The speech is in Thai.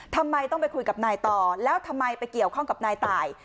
ทำไมต้องไปคุยกับนายต่อแล้วทำไมไปเกี่ยวข้องกับนายตาย